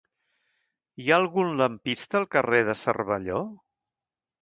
Hi ha algun lampista al carrer de Cervelló?